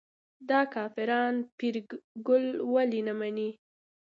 دا کافران پیرګل ولې نه مني.